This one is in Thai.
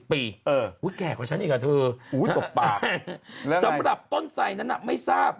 ๑๐ปีแก่ของฉันอีกอ่ะคือตกปากสำหรับต้นไส้นั้นไม่ทราบ